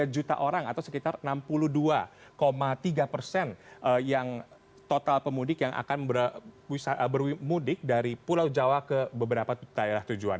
dua puluh juta orang atau sekitar enam puluh dua tiga persen yang total pemudik yang akan bermudik dari pulau jawa ke beberapa daerah tujuan